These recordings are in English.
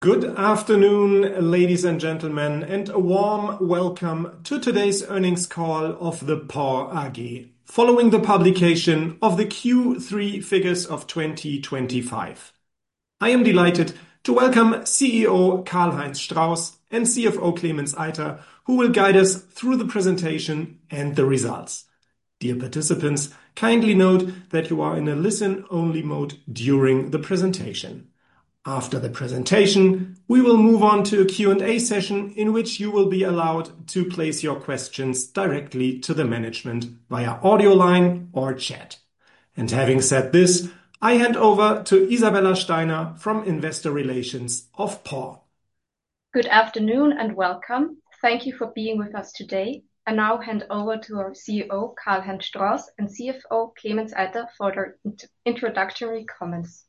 Good afternoon, ladies and gentlemen, and a warm welcome to today's earnings call of the PORR AG. Following the publication of the Q3 figures of 2025, I am delighted to welcome CEO Karl-Heinz Strauss and CFO Klemens Eiter, who will guide us through the presentation and the results. Dear participants, kindly note that you are in a listen-only mode during the presentation. After the presentation, we will move on to a Q&A session in which you will be allowed to place your questions directly to the management via audio line or chat. Having said this, I hand over to Isabella Steiner from Investor Relations of PORR. Good afternoon and welcome. Thank you for being with us today. I now hand over to our CEO, Karl-Heinz Strauss, and CFO Klemens Eiter for their introductory comments.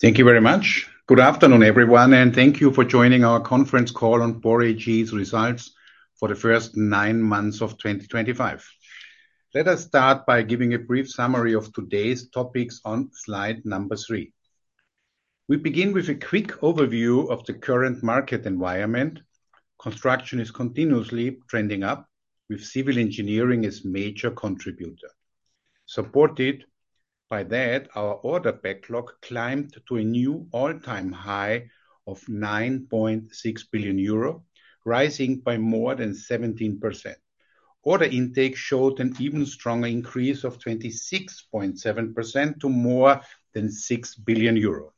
Thank you very much. Good afternoon, everyone, and thank you for joining our conference call on PORR AG's results for the first nine months of 2025. Let us start by giving a brief summary of today's topics on slide number three. We begin with a quick overview of the current market environment. Construction is continuously trending up, with civil engineering as a major contributor. Supported by that, our order backlog climbed to a new all-time high of 9.6 billion euro, rising by more than 17%. Order intake showed an even stronger increase of 26.7% to more than 6 billion euro.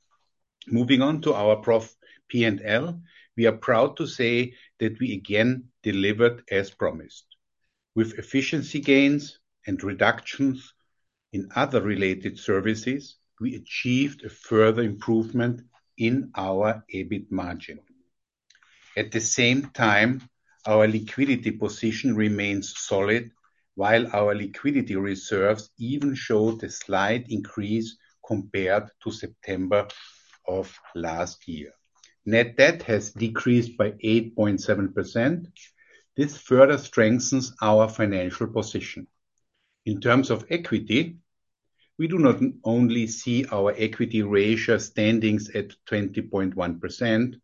Moving on to our profit P&L, we are proud to say that we again delivered as promised. With efficiency gains and reductions in other related services, we achieved a further improvement in our EBIT margin. At the same time, our liquidity position remains solid, while our liquidity reserves even showed a slight increase compared to September of last year. Net debt has decreased by 8.7%. This further strengthens our financial position. In terms of equity, we do not only see our equity ratio standing at 20.1%,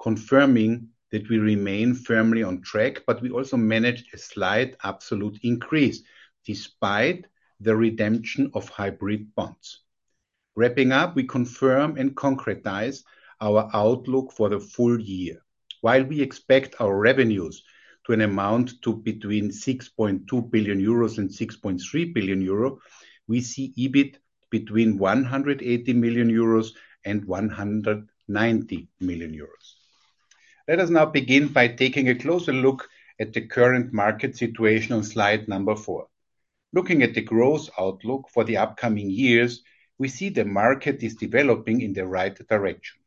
confirming that we remain firmly on track, but we also managed a slight absolute increase despite the redemption of hybrid bonds. Wrapping up, we confirm and concretize our outlook for the full-year. While we expect our revenues to amount to between 6.2 billion euros and 6.3 billion euro, we see EBIT between 180 million euros and 190 million euros. Let us now begin by taking a closer look at the current market situation on slide number four. Looking at the growth outlook for the upcoming years, we see the market is developing in the right direction.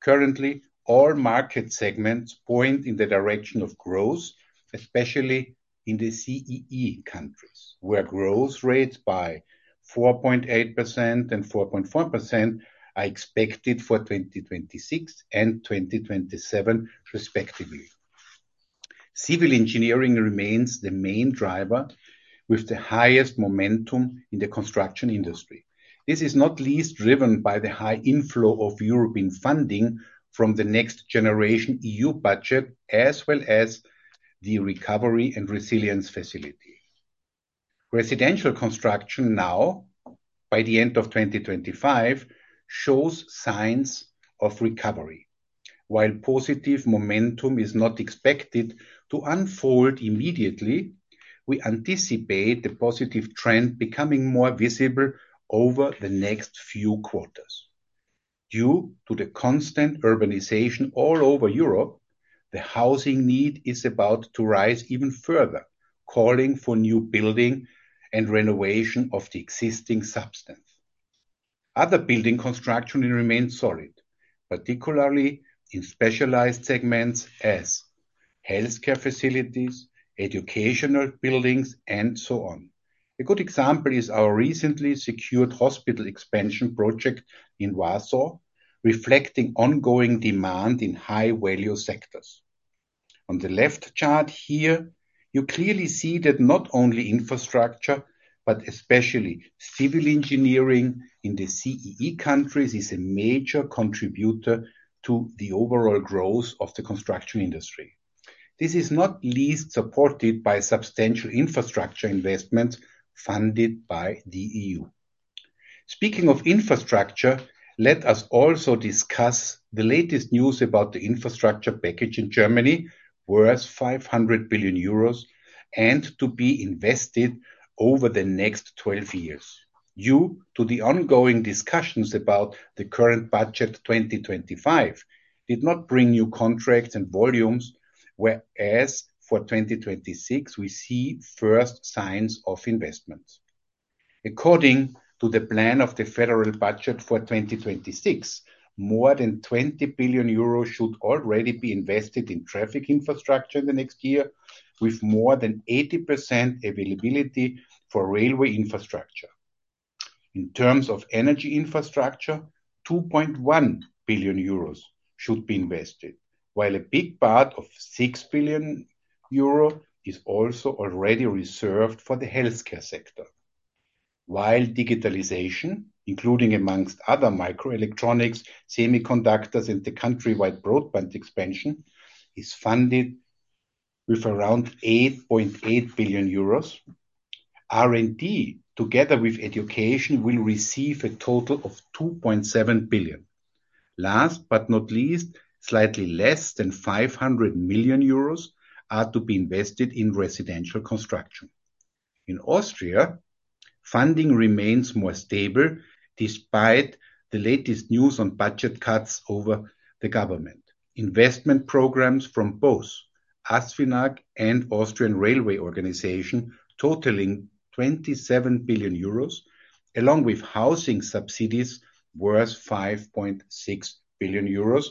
Currently, all market segments point in the direction of growth, especially in the CEE countries, where growth rates by 4.8% and 4.4% are expected for 2026 and 2027 respectively. Civil engineering remains the main driver with the highest momentum in the construction industry. This is not least driven by the high inflow of European funding from the Next Generation EU budget, as well as the Recovery and Resilience Facility. Residential construction now, by the end of 2025, shows signs of recovery. While positive momentum is not expected to unfold immediately, we anticipate the positive trend becoming more visible over the next few quarters. Due to the constant urbanization all over Europe, the housing need is about to rise even further, calling for new building and renovation of the existing substance. Other building construction remains solid, particularly in specialized segments as healthcare facilities, educational buildings, and so on. A good example is our recently secured hospital expansion project in Warsaw, reflecting ongoing demand in high-value sectors. On the left chart here, you clearly see that not only infrastructure, but especially civil engineering in the CEE countries, is a major contributor to the overall growth of the construction industry. This is not least supported by substantial infrastructure investments funded by the EU. Speaking of infrastructure, let us also discuss the latest news about the infrastructure package in Germany, worth 500 billion euros and to be invested over the next 12 years. Due to the ongoing discussions about the current budget, 2025 did not bring new contracts and volumes, whereas for 2026, we see first signs of investment. According to the plan of the federal budget for 2026, more than 20 billion euros should already be invested in traffic infrastructure in the next year, with more than 80% availability for railway infrastructure. In terms of energy infrastructure, 2.1 billion euros should be invested, while a big part of 6 billion euro is also already reserved for the healthcare sector. While digitalization, including among other microelectronics, semiconductors in the countrywide broadband expansion, is funded with around 8.8 billion euros. R&D, together with education, will receive a total of 2.7 billion. Last but not least, slightly less than 500 million euros are to be invested in residential construction. In Austria, funding remains more stable despite the latest news on budget cuts over the government. Investment programs from both ASFINAG and ÖBB, totaling 27 billion euros, along with housing subsidies worth 5.6 billion euros,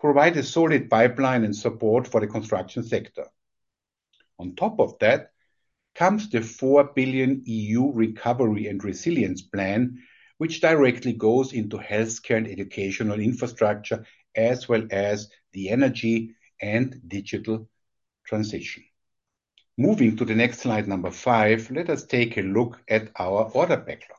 provide a solid pipeline and support for the construction sector. On top of that comes the 4 billion EU recovery and resilience plan, which directly goes into healthcare and educational infrastructure, as well as the energy and digital transition. Moving to the next slide five, let us take a look at our order backlog.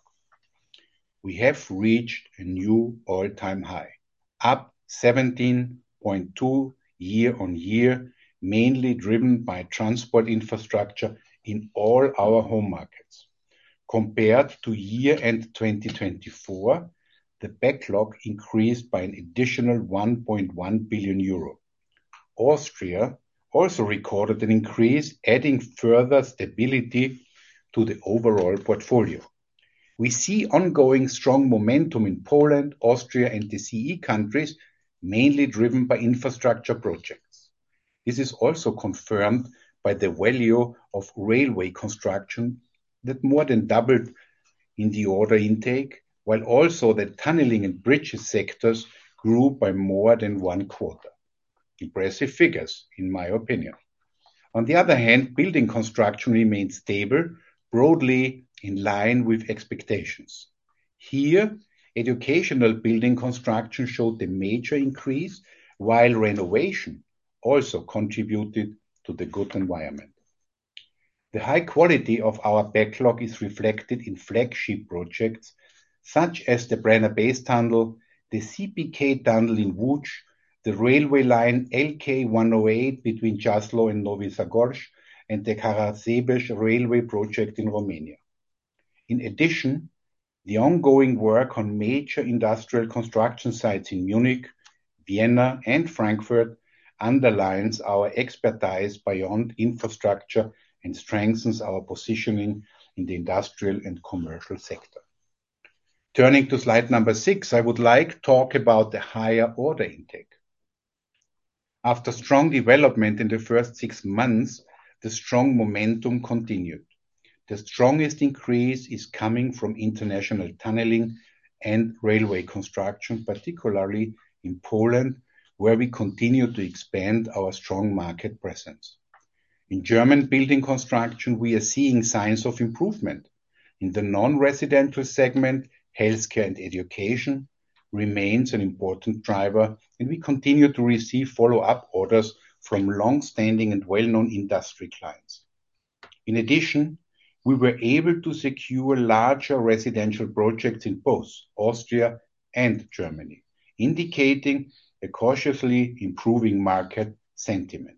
We have reached a new all-time high, up 17.2% year-on-year, mainly driven by transport infrastructure in all our home markets. Compared to year-end 2024, the backlog increased by an additional 1.1 billion euro. Austria also recorded an increase, adding further stability to the overall portfolio. We see ongoing strong momentum in Poland, Austria, and the CEE countries, mainly driven by infrastructure projects. This is also confirmed by the value of railway construction that more than doubled in the order intake, while also the tunneling and bridges sectors grew by more than one quarter. Impressive figures, in my opinion. On the other hand, building construction remains stable, broadly in line with expectations. Here, educational building construction showed a major increase, while renovation also contributed to the good environment. The high quality of our backlog is reflected in flagship projects such as the Brenner Base Tunnel, the CPK Tunnel in Łódź, the railway line LK 108 between Jasło and Nowy Sącz, and the Caransebeș railway project in Romania. In addition, the ongoing work on major industrial construction sites in Munich, Vienna, and Frankfurt underlines our expertise beyond infrastructure and strengthens our positioning in the industrial and commercial sector. Turning to slide number six, I would like to talk about the higher order intake. After strong development in the first six months, the strong momentum continued. The strongest increase is coming from international tunneling and railway construction, particularly in Poland, where we continue to expand our strong market presence. In German building construction, we are seeing signs of improvement. In the non-residential segment, healthcare and education remains an important driver, and we continue to receive follow-up orders from long-standing and well-known industry clients. In addition, we were able to secure larger residential projects in both Austria and Germany, indicating a cautiously improving market sentiment.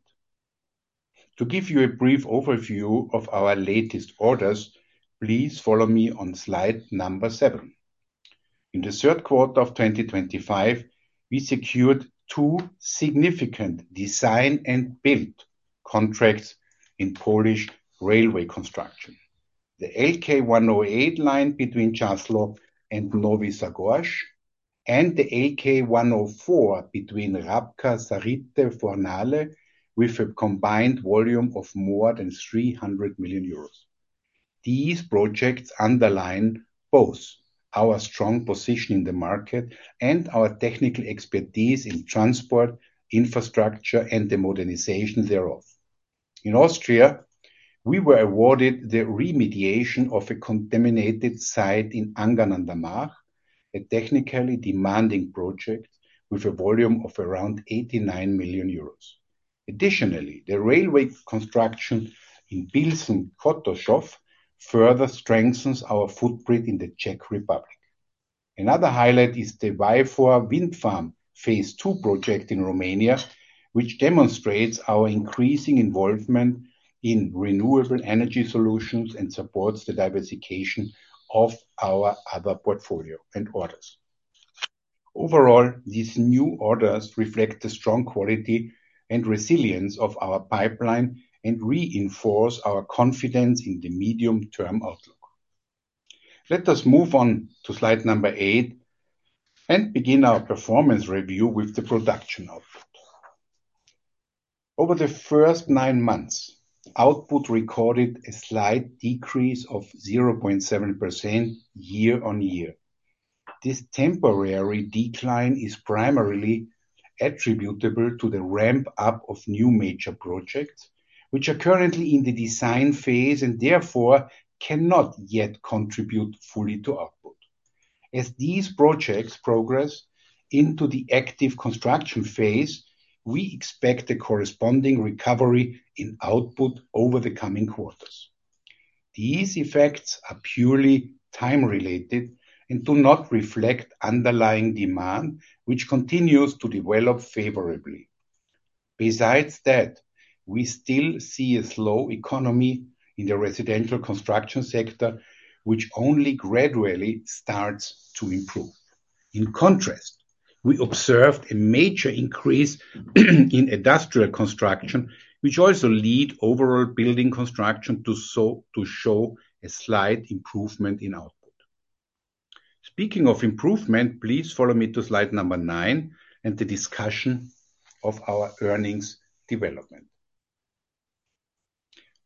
To give you a brief overview of our latest orders, please follow me on slide seven. In the third quarter of 2025, we secured two significant design and build contracts in Polish railway construction. The LK 108 line between Jasło and Nowy Sącz, and the LK 104 between Rabka Zaryte - Fornale, with a combined volume of more than 300 million euros. These projects underline both our strong position in the market and our technical expertise in transport, infrastructure, and the modernization thereof. In Austria, we were awarded the remediation of a contaminated site in Angern an der March, a technically demanding project with a volume of around 89 million euros. Additionally, the railway construction in Pilsen, Chotěšov, further strengthens our footprint in the Czech Republic. Another highlight is the Voivod wind farm phase II project in Romania, which demonstrates our increasing involvement in renewable energy solutions and supports the diversification of our other portfolio and orders. Overall, these new orders reflect the strong quality and resilience of our pipeline and reinforce our confidence in the medium-term outlook. Let us move on to slide number eight and begin our performance review with the production output. Over the first nine months, output recorded a slight decrease of 0.7% year-on-year. This temporary decline is primarily attributable to the ramp-up of new major projects, which are currently in the design phase and therefore cannot yet contribute fully to output. As these projects progress into the active construction phase, we expect a corresponding recovery in output over the coming quarters. These effects are purely time-related and do not reflect underlying demand, which continues to develop favorably. Besides that, we still see a slow economy in the residential construction sector, which only gradually starts to improve. In contrast, we observed a major increase in industrial construction, which also led overall building construction to show a slight improvement in output. Speaking of improvement, please follow me to slide number nine and the discussion of our earnings development.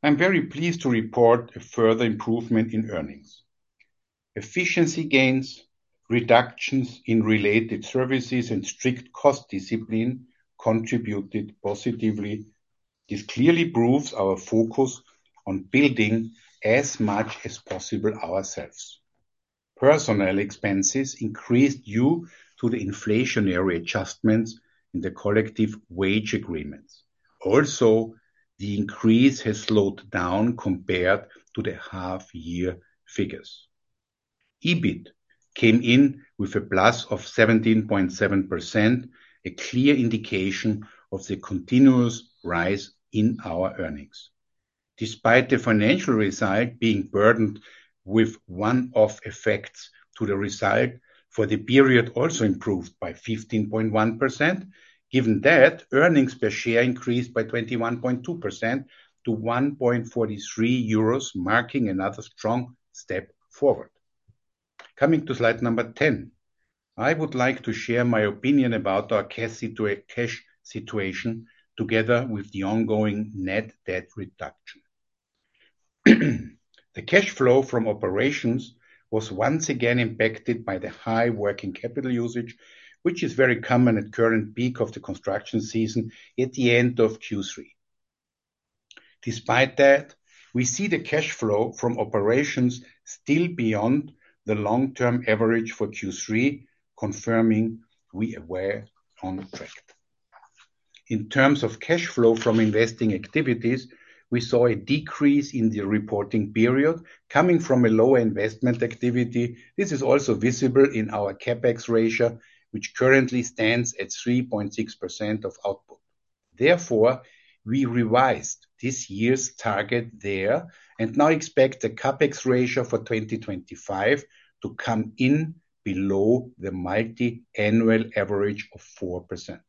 I'm very pleased to report a further improvement in earnings. Efficiency gains, reductions in related services and strict cost discipline contributed positively. This clearly proves our focus on building as much as possible ourselves. Personnel expenses increased due to the inflationary adjustments in the collective wage agreements. Also, the increase has slowed down compared to the half-year figures. EBIT came in with a plus of 17.7%, a clear indication of the continuous rise in our earnings. Despite the financial result being burdened with one-off effects, the result for the period also improved by 15.1%. Given that, earnings per share increased by 21.2% - 1.43 euros, marking another strong step forward. Coming to slide 10, I would like to share my opinion about our cash situation together with the ongoing net debt reduction. The cash flow from operations was once again impacted by the high working capital usage, which is very common at current peak of the construction season at the end of Q3. Despite that, we see the cash flow from operations still beyond the long-term average for Q3, confirming we are on track. In terms of cash flow from investing activities, we saw a decrease in the reporting period coming from a low investment activity. This is also visible in our CapEx ratio, which currently stands at 3.6% of output. Therefore, we revised this year's target there and now expect the CapEx ratio for 2025 to come in below the multi-annual average of 4%.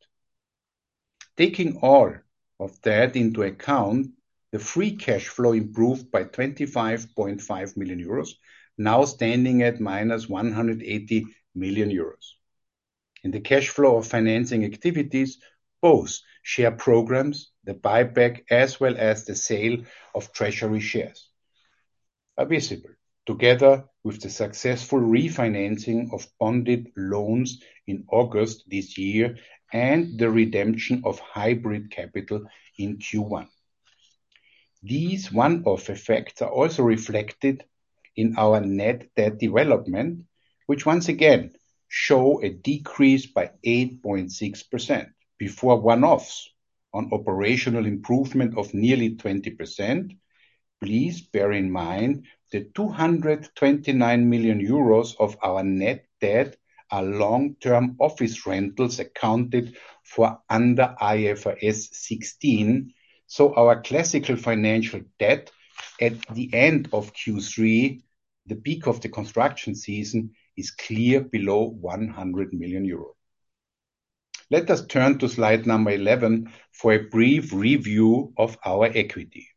Taking all of that into account, the free cash flow improved by 25.5 million euros, now standing at -180 million euros. In the cash flow of financing activities, both share programs, the buyback as well as the sale of treasury shares are visible, together with the successful refinancing of bonded loans in August this year and the redemption of hybrid capital in Q1. These one-off effects are also reflected in our net debt development, which once again show a decrease by 8.6%. Before one-offs on operational improvement of nearly 20%, please bear in mind the 229 million euros of our net debt are long-term office rentals accounted for under IFRS 16, so our classical financial debt at the end of Q3, the peak of the construction season, is clear below 100 million euro. Let us turn to slide number 11 for a brief review of our equity.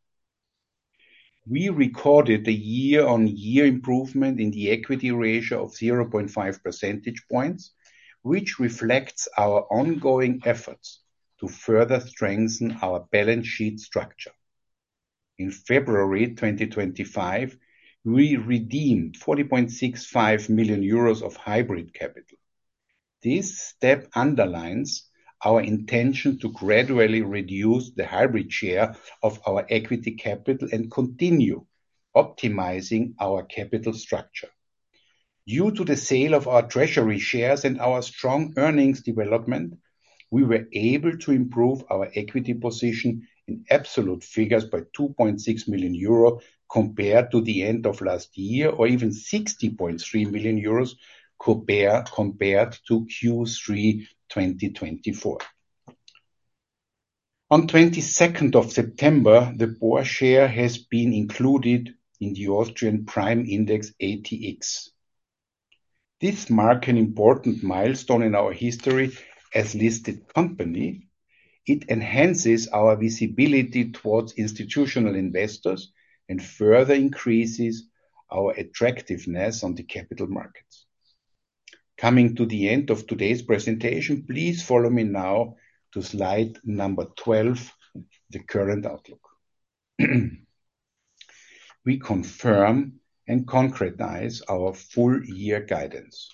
We recorded a year-on-year improvement in the equity ratio of 0.5 percentage points, which reflects our ongoing efforts to further strengthen our balance sheet structure. In February 2025, we redeemed 40.65 million euros of hybrid capital. This step underlines our intention to gradually reduce the hybrid share of our equity capital and continue optimizing our capital structure. Due to the sale of our treasury shares and our strong earnings development, we were able to improve our equity position in absolute figures by 2.6 million euro compared to the end of last year, or even 60.3 million euros compared to Q3 2024. On September 22, the PORR share has been included in the Austrian prime index ATX. This mark an important milestone in our history as listed company. It enhances our visibility towards institutional investors and further increases our attractiveness on the capital markets. Coming to the end of today's presentation, please follow me now to slide number 12, the current outlook. We confirm and concretize our full-year guidance.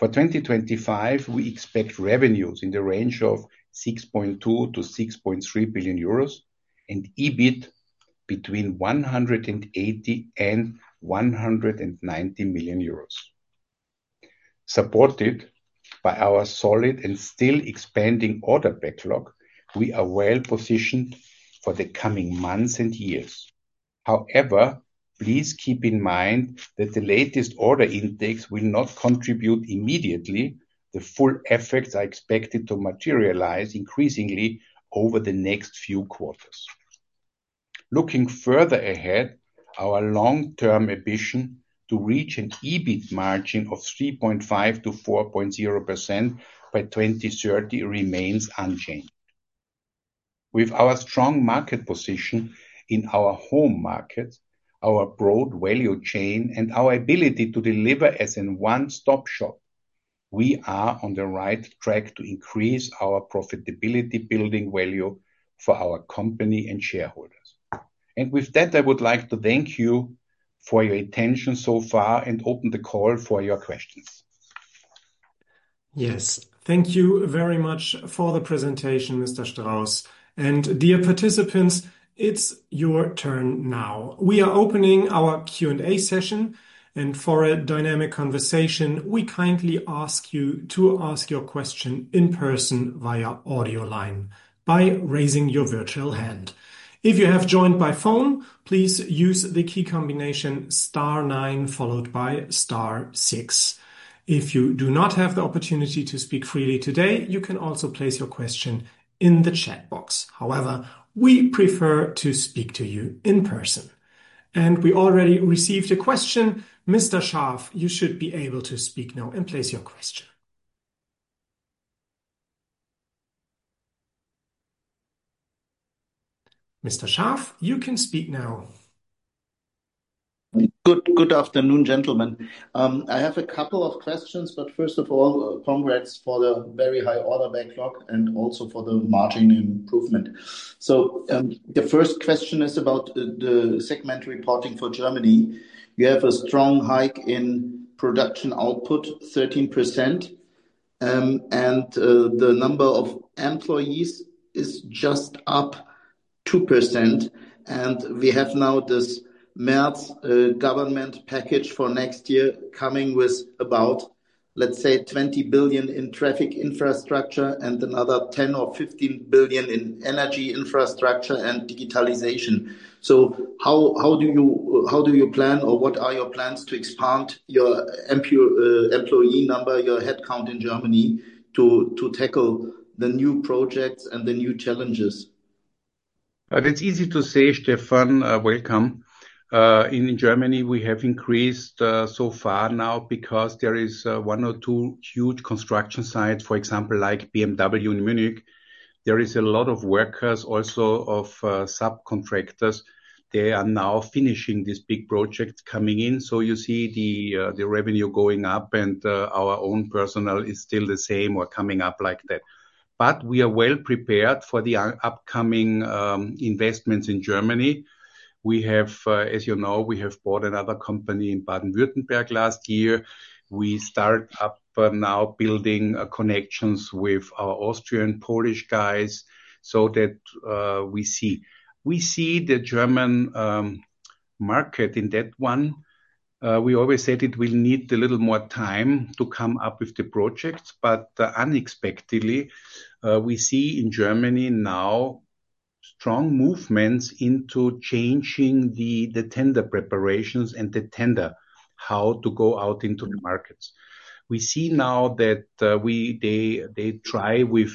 For 2025, we expect revenues in the range of 6.2 billion-6.3 billion euros and EBIT between 180 million and 190 million euros. Supported by our solid and still expanding order backlog, we are well-positioned for the coming months and years. However, please keep in mind that the latest order intakes will not contribute immediately. The full effects are expected to materialize increasingly over the next few quarters. Looking further ahead, our long-term ambition to reach an EBIT margin of 3.5%-4.0% by 2030 remains unchanged. With our strong market position in our home market, our broad value chain, and our ability to deliver as in one-stop shop, we are on the right track to increase our profitability building value for our company and shareholders. With that, I would like to thank you for your attention so far and open the call for your questions. Yes. Thank you very much for the presentation, Mr. Strauss. Dear participants, it's your turn now. We are opening our Q&A session, and for a dynamic conversation, we kindly ask you to ask your question in person via audio line by raising your virtual hand. If you have joined by phone, please use the key combination star nine followed by star six. If you do not have the opportunity to speak freely today, you can also place your question in the chat box. However, we prefer to speak to you in person. We already received a question. Mr. Scharff, you should be able to speak now and place your question. Mr. Scharff, you can speak now. Good afternoon, gentlemen. I have a couple of questions, but first of all, congrats for the very high order backlog and also for the margin improvement. The first question is about the segment reporting for Germany. You have a strong hike in production output, 13%, and the number of employees is just up 2%. We have now this Merz government package for next year coming with about, let's say, 20 billion in traffic infrastructure and another 10 billion or 15 billion in energy infrastructure and digitalization. How do you plan or what are your plans to expand your employee number, your headcount in Germany to tackle the new projects and the new challenges? That's easy to say, Stefan. Welcome. In Germany, we have increased so far now because there is one or two huge construction sites, for example, like BMW in Munich. There is a lot of workers also of subcontractors. They are now finishing this big project coming in. You see the revenue going up and our own personnel is still the same or coming up like that. We are well prepared for the upcoming investments in Germany. We have, as you know, we have bought another company in Baden-Württemberg last year. We start up now building connections with our Austrian, Polish guys so that we see the German market in that one. We always said it will need a little more time to come up with the projects. Unexpectedly, we see in Germany now strong movements into changing the tender preparations and the tender, how to go out into the markets. We see now that they try with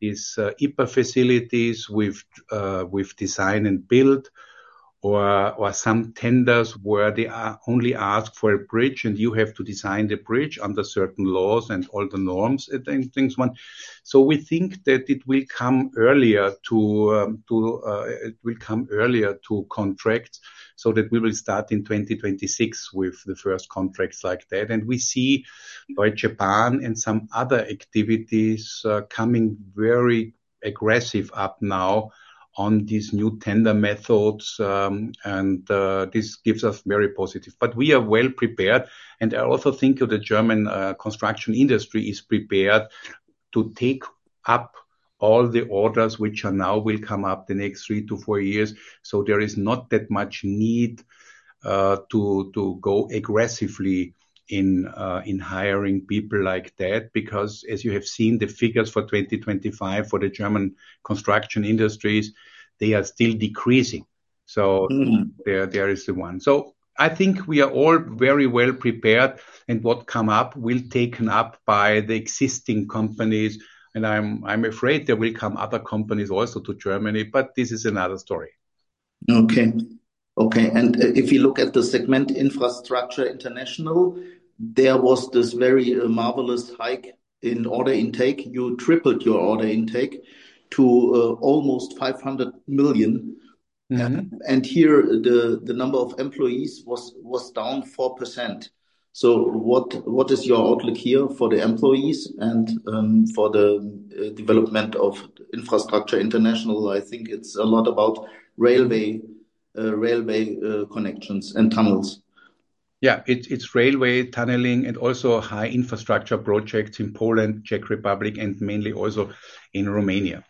these IPA facilities with design and build or some tenders where they only ask for a bridge, and you have to design the bridge under certain laws and all the norms and things. We think that it will come earlier to contract, so that we will start in 2026 with the first contracts like that. We see by STRABAG and some other activities coming very aggressive up now on these new tender methods, and this gives us very positive. We are well prepared, and I also think the German construction industry is prepared to take up all the orders which are now will come up the next three-fouryears. There is not that much need to go aggressively in hiring people like that. Because as you have seen the figures for 2025 for the German construction industries, they are still decreasing. Mm-hmm There is the one. I think we are all very well prepared, and what come up will taken up by the existing companies. I'm afraid there will come other companies also to Germany, but this is another story. Okay. If you look at the segment Infrastructure International, there was this very marvelous hike in order intake. You tripled your order intake to almost 500 million. Mm-hmm. Here the number of employees was down 4%. What is your outlook here for the employees and for the development of infrastructure international? I think it's a lot about railway connections and tunnels. Yeah, it's railway, tunneling, and also high infrastructure projects in Poland, Czech Republic, and mainly also in Romania.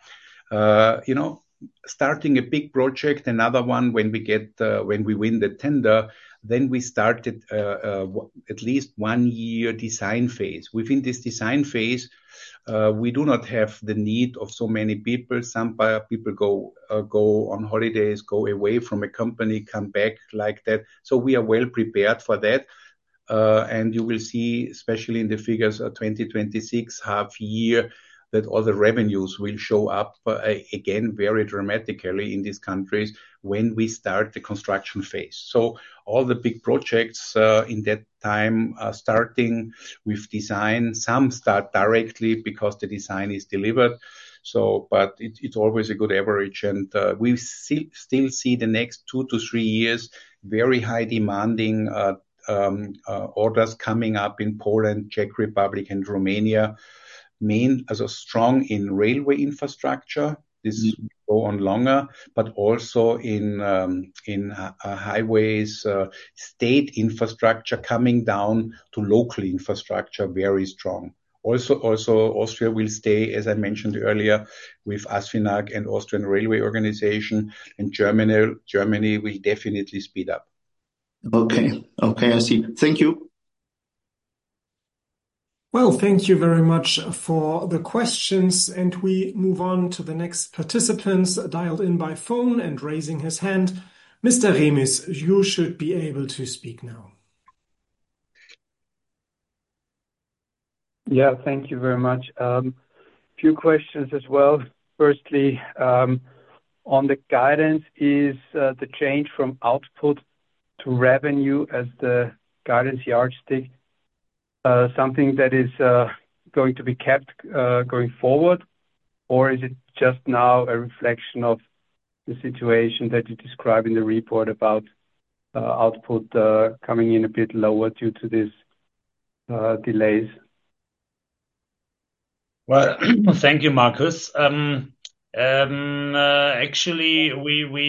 You know, starting a big project, another one when we win the tender, then we started at least one year design phase. Within this design phase, we do not have the need of so many people. Some people go on holidays, go away from a company, come back like that. We are well prepared for that. You will see, especially in the figures of 2026 half year, that all the revenues will show up again, very dramatically in these countries when we start the construction phase. All the big projects in that time are starting with design. Some start directly because the design is delivered. But it's always a good average. We still see the next two-three years very high demanding orders coming up in Poland, Czech Republic and Romania. As a strong in railway infrastructure, this go on longer, but also in highways, state infrastructure coming down to local infrastructure, very strong. Also Austria will stay, as I mentioned earlier, with ASFINAG and ÖBB. In Germany will definitely speed up. Okay. Okay, I see. Thank you. Well, thank you very much for the questions, and we move on to the next participant, dialed in by phone and raising his hand. Mr. Remis, you should be able to speak now. Yeah, thank you very much. Few questions as well. Firstly, on the guidance, is the change from output to revenue as the guidance yardstick something that is going to be kept going forward? Or is it just now a reflection of the situation that you describe in the report about output coming in a bit lower due to these delays? Well, thank you, Markus. Actually, we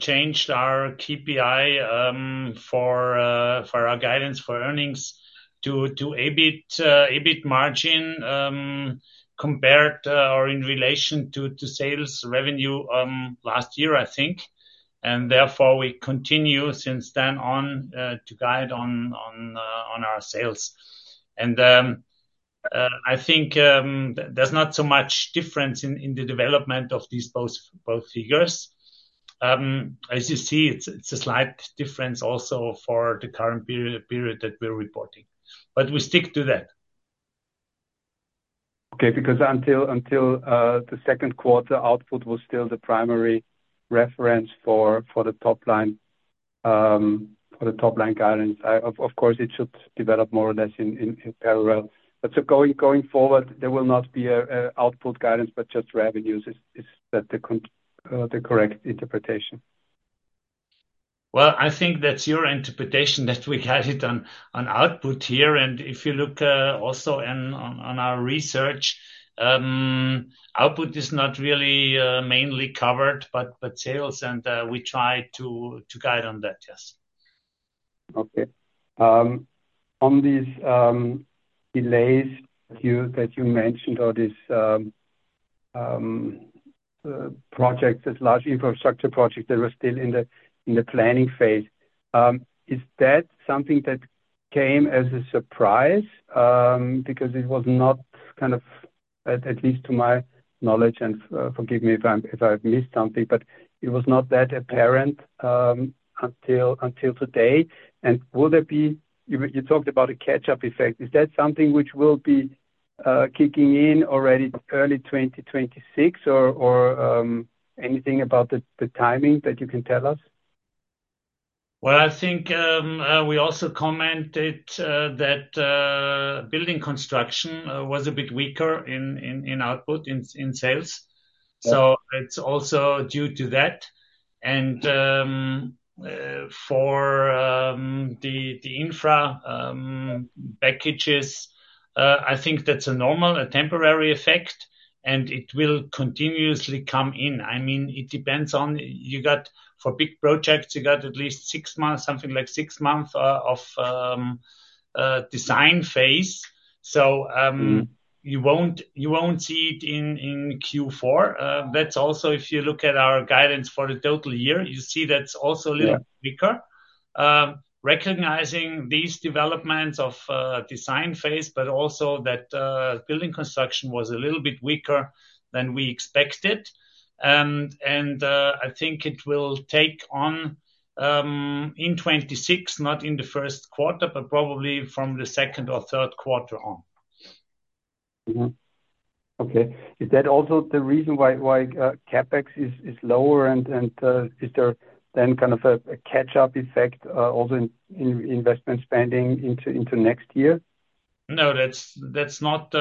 changed our KPI for our guidance for earnings to EBIT margin, compared or in relation to sales revenue last year, I think. Therefore, we continue since then on to guide on our sales. I think there's not so much difference in the development of these both figures. As you see, it's a slight difference also for the current period that we're reporting. We stick to that. Okay, because until the second quarter, output was still the primary reference for the top line guidance. Of course, it should develop more or less in parallel. Going forward, there will not be a output guidance, but just revenues. Is that the correct interpretation? Well, I think that's your interpretation that we had it on output here. If you look also on our research, output is not really mainly covered, but sales and we try to guide on that. Yes. Okay. On these delays here that you mentioned or these projects, this large infrastructure project that was still in the planning phase, is that something that came as a surprise? Because it was not kind of at least to my knowledge, and forgive me if I've missed something, but it was not that apparent until today. You talked about a catch-up effect. Is that something which will be kicking in already early 2026 or anything about the timing that you can tell us? Well, I think we also commented that building construction was a bit weaker in output in sales. Yeah. It's also due to that. For the infra packages, I think that's a normal temporary effect, and it will continuously come in. I mean, it depends on. You got, for big projects, at least 6 months, something like six months of a design phase. Mm-hmm You won't see it in Q4. That's also if you look at our guidance for the total year, you see that's also a little- Yeah Weaker. Recognizing these developments of design phase, but also that building construction was a little bit weaker than we expected. I think it will take off in 2026, not in the first quarter, but probably from the second or third quarter on. Mm-hmm. Okay. Is that also the reason why CapEx is lower and is there then kind of a catch-up effect also in investment spending into next year? No, that's not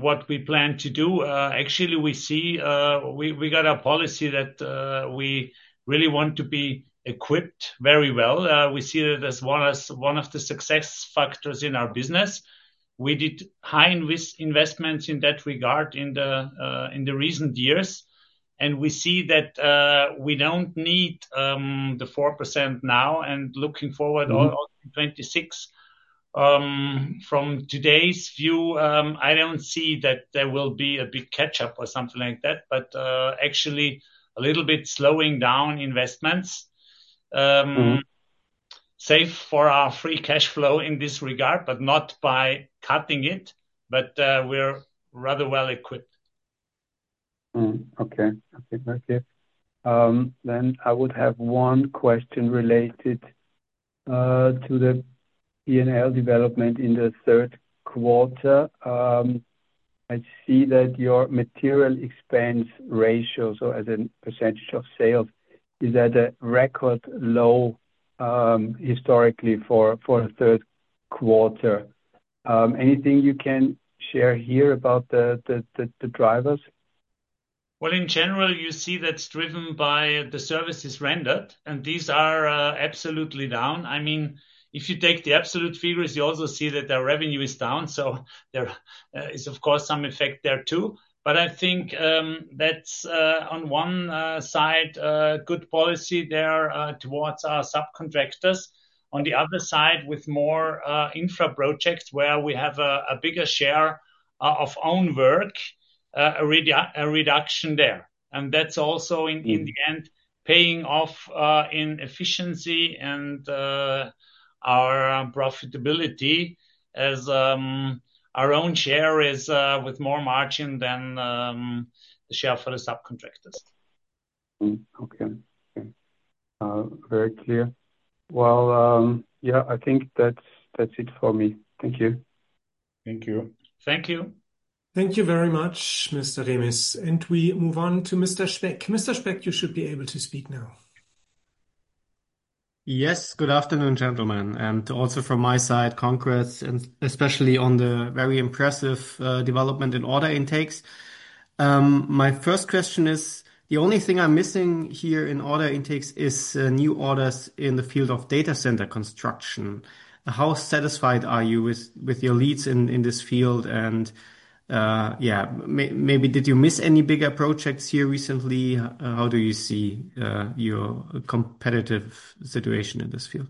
what we plan to do. Actually, we see we got a policy that we really want to be equipped very well. We see it as one of the success factors in our business. We did high-risk investments in that regard in the recent years. We see that we don't need the 4% now and looking forward- Mm-hmm on 26. From today's view, I don't see that there will be a big catch-up or something like that, but actually a little bit slowing down investments. Mm-hmm. Save for our free cash flow in this regard, but not by cutting it, but we're rather well equipped. Okay. I think that's it. I would have one question related to the P&L development in the third quarter. I see that your material expense ratio, so as a percentage of sales, is at a record low, historically for the third quarter. Anything you can share here about the drivers? Well, in general, you see that's driven by the services rendered, and these are absolutely down. I mean, if you take the absolute figures, you also see that their revenue is down, so there is, of course, some effect there too. But I think that's, on one side, a good policy there towards our subcontractors. On the other side, with more infra projects where we have a bigger share of own work, a reduction there. That's also in- Mm. In the end, paying off in efficiency and our profitability, as our own share is with more margin than the share for the subcontractors. Okay. Very clear. Well, yeah, I think that's it for me. Thank you. Thank you. Thank you. Thank you very much, Mr. Remis. We move on to Mr. Speck. Mr. Speck, you should be able to speak now. Yes. Good afternoon, gentlemen. Also from my side, congrats, and especially on the very impressive development and order intakes. My first question is, the only thing I'm missing here in order intakes is new orders in the field of data center construction. How satisfied are you with your leads in this field? And, yeah, maybe did you miss any bigger projects here recently? How do you see your competitive situation in this field?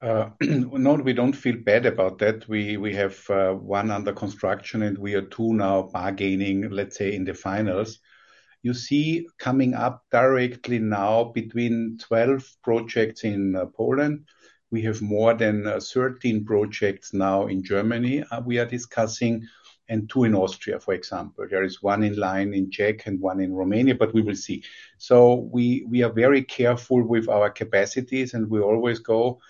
No, we don't feel bad about that. We have one under construction and we are too now bargaining, let's say, in the finals. You see coming up directly now between 12 projects in Poland. We have more than 13 projects now in Germany we are discussing, and two in Austria, for example. There is one in line in Czech and one in Romania, but we will see. We are very careful with our capacities, and we always go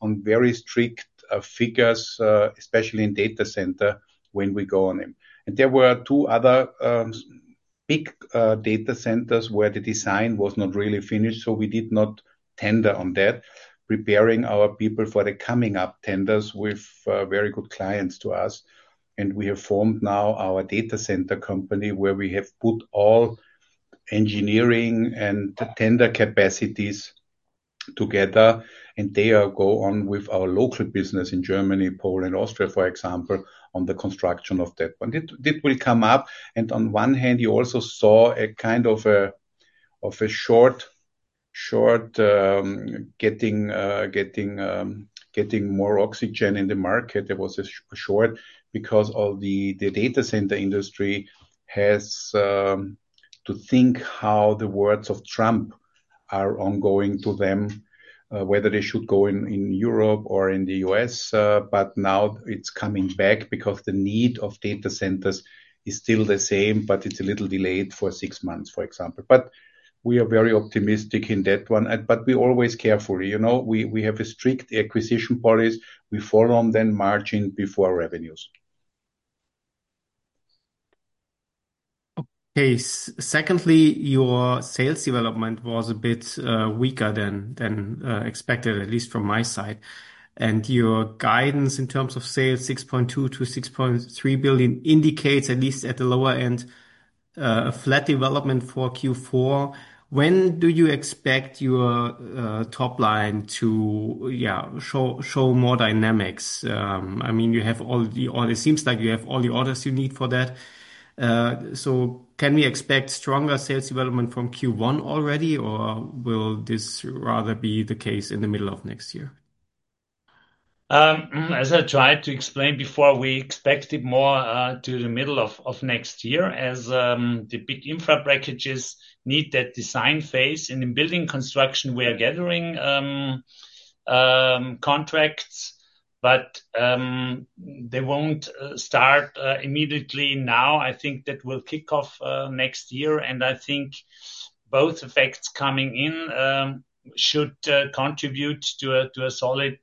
on very strict figures, especially in data center, when we go on them. There were two other big data centers where the design was not really finished, so we did not tender on that, preparing our people for the coming up tenders with very good clients to us. We have formed now our data center company, where we have put all engineering and the tender capacities together, and they go on with our local business in Germany, Poland, Austria, for example, on the construction of that one. It will come up. On one hand, you also saw a kind of a shortage getting more oxygen in the market. There was a shortage because of the data center industry has to think how the words of Trump are ongoing to them, whether they should go in Europe or in the U.S. Now it's coming back because the need of data centers is still the same, but it's a little delayed for six months, for example. We are very optimistic in that one. We always carefully. You know, we have a strict acquisition policy. We focus on the margin before revenues. Okay. Secondly, your sales development was a bit weaker than expected, at least from my side. Your guidance in terms of sales, 6.2 billion-6.3 billion, indicates at least at the lower end a flat development for Q4. When do you expect your top line to show more dynamics? I mean, it seems like you have all the orders you need for that. So can we expect stronger sales development from Q1 already, or will this rather be the case in the middle of next year? As I tried to explain before, we expect it more to the middle of next year as the big infra packages need that design phase. In building construction, we are gathering contracts, but they won't start immediately now. I think that will kick off next year. I think both effects coming in should contribute to a solid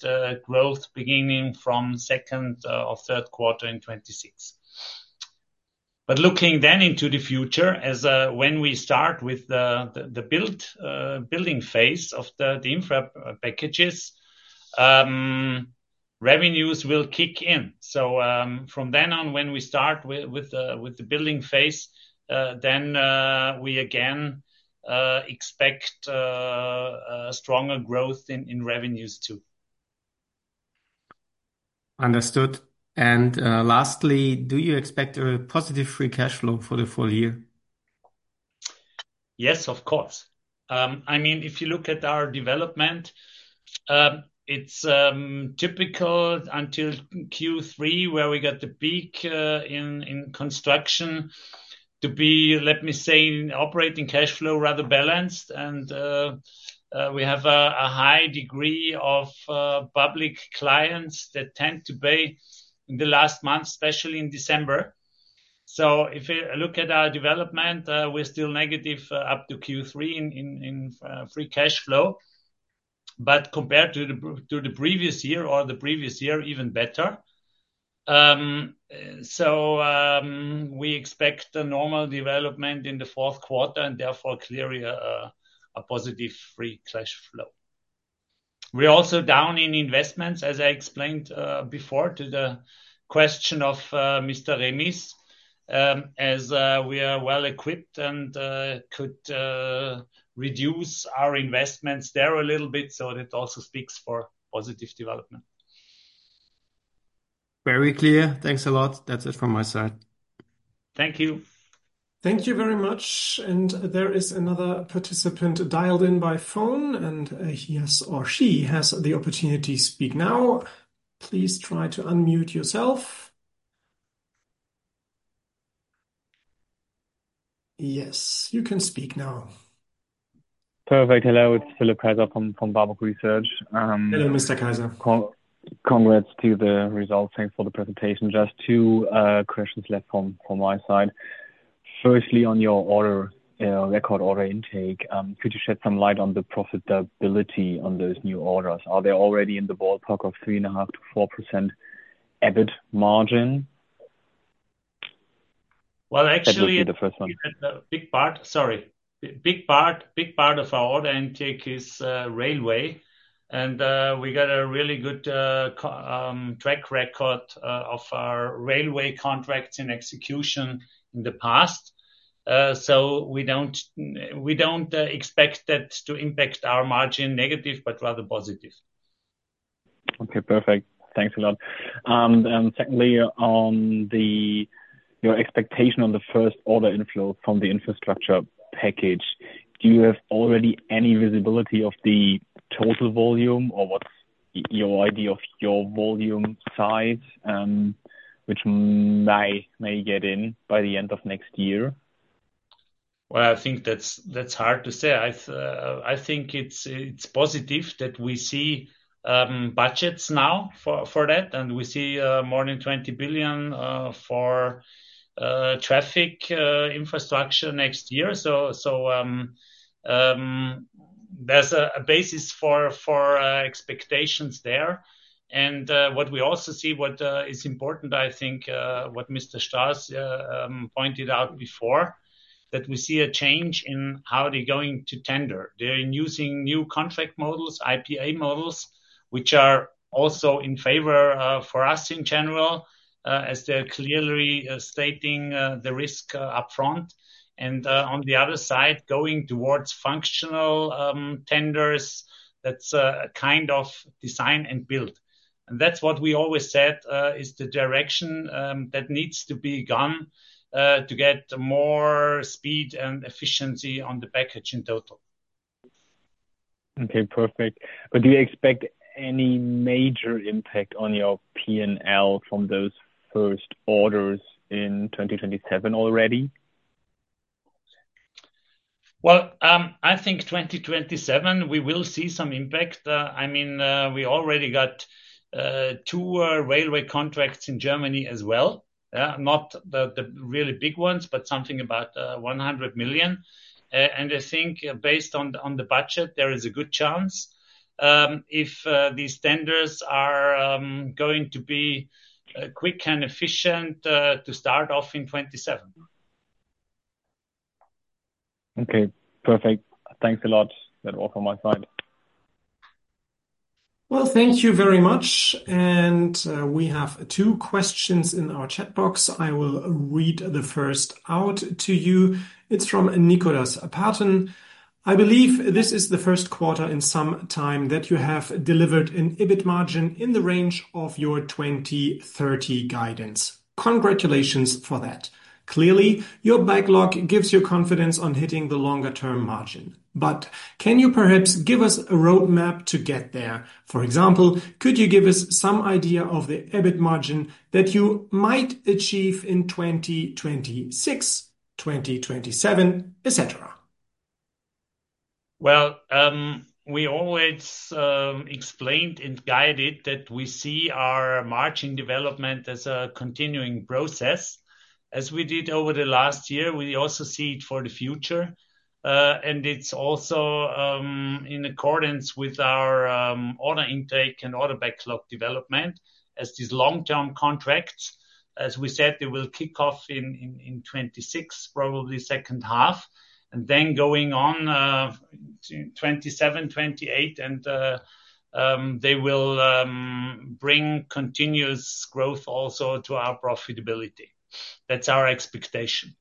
growth beginning from second or third quarter in 2026. Looking then into the future as when we start with the building phase of the infra packages, revenues will kick in. From then on when we start with the building phase, then we again expect stronger growth in revenues too. Understood. Lastly, do you expect a positive free cash flow for the full-year? Yes, of course. I mean, if you look at our development, it's typical until Q3 where we got the peak in construction, to be, let me say, operating cash flow rather balanced and we have a high degree of public clients that tend to pay in the last month, especially in December. If you look at our development, we're still negative up to Q3 in free cash flow. Compared to the previous year, even better. We expect a normal development in the fourth quarter, and therefore clearly a positive free cash flow. We're also down in investments, as I explained before to the question of Mr. Remis. As we are well equipped and could reduce our investments there a little bit, so that also speaks for positive development. Very clear. Thanks a lot. That's it from my side. Thank you. Thank you very much. There is another participant dialed in by phone, and he has or she has the opportunity to speak now. Please try to unmute yourself. Yes, you can speak now. Perfect. Hello. It's Philipp Kaiser from Warburg Research. Hello, Mr. Kaiser. Congrats to the results. Thanks for the presentation. Just two questions left from my side. Firstly, on your record order intake, could you shed some light on the profitability on those new orders? Are they already in the ballpark of 3.5%-4% EBIT margin? Well, actually. That would be the first one. Big part of our order intake is railway and we got a really good track record of our railway contracts in execution in the past. So we don't expect that to impact our margin negative, but rather positive. Okay, perfect. Thanks a lot. Secondly, your expectation on the first order inflow from the infrastructure package, do you have already any visibility of the total volume or what's your idea of your volume size, which may get in by the end of next year? Well, I think that's hard to say. I think it's positive that we see budgets now for that, and we see more than 20 billion for traffic infrastructure next year. There's a basis for expectations there. What we also see is important, I think, what Mr. Strauss pointed out before, that we see a change in how they're going to tender. They're using new contract models, IPA models, which are also in favor for us in general, as they're clearly stating the risk upfront. On the other side, going towards functional tenders, that's a kind of design and build. That's what we always said is the direction that needs to be gone to get more speed and efficiency on the package in total. Okay, perfect. Do you expect any major impact on your P&L from those first orders in 2027 already? Well, I think 2027, we will see some impact. I mean, we already got two railway contracts in Germany as well. Not the really big ones, but something about 100 million. I think based on the budget, there is a good chance if these tenders are going to be quick and efficient to start off in 2027. Okay, perfect. Thanks a lot. That's all from my side. Well, thank you very much. We have two questions in our chat box. I will read the first out to you. It's from Nicholas Parton. I believe this is the first quarter in some time that you have delivered an EBIT margin in the range of your 20-30 guidance. Congratulations for that. Clearly, your backlog gives you confidence on hitting the longer-term margin. Can you perhaps give us a roadmap to get there? For example, could you give us some idea of the EBIT margin that you might achieve in 2026, 2027, et cetera? Well, we always explained and guided that we see our margin development as a continuing process, as we did over the last year. We also see it for the future. It's also in accordance with our order intake and order backlog development. As these long-term contracts, as we said, they will kick off in 2026, probably second half, and then going on, 2027, 2028, and they will bring continuous growth also to our profitability. That's our expectation.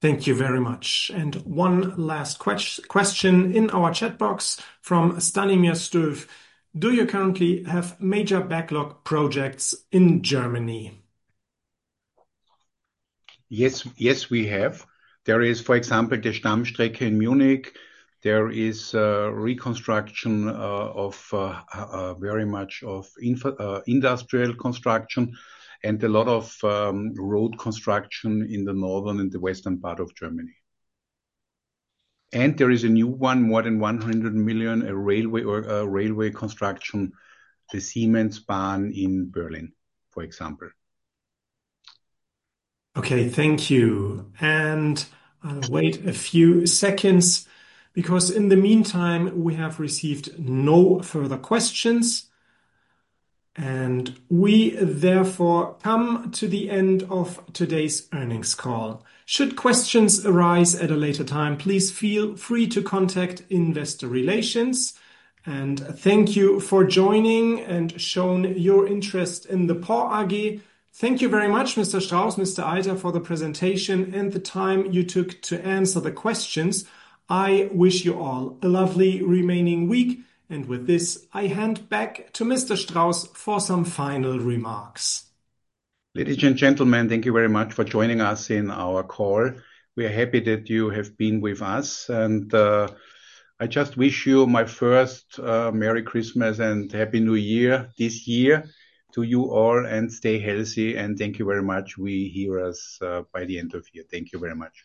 Thank you very much. One last question in our chat box from Stanimir Stoev. Do you currently have major backlog projects in Germany? Yes. Yes, we have. There is, for example, the Stammstrecke in Munich. There is a reconstruction of very much of industrial construction and a lot of road construction in the northern and the western part of Germany. There is a new one, more than 100 million, a railway or a railway construction, the Siemensbahn in Berlin, for example. Okay, thank you. I'll wait a few seconds because in the meantime, we have received no further questions, and we therefore come to the end of today's earnings call. Should questions arise at a later time, please feel free to contact investor relations. Thank you for joining and showing your interest in the PORR AG. Thank you very much, Mr. Strauss, Mr. Eiter, for the presentation and the time you took to answer the questions. I wish you all a lovely remaining week. With this, I hand back to Mr. Strauss for some final remarks. Ladies and gentlemen, thank you very much for joining us in our call. We are happy that you have been with us. I just wish you my first Merry Christmas and Happy New Year this year to you all, and stay healthy, and thank you very much. We hear us by the end of year. Thank you very much.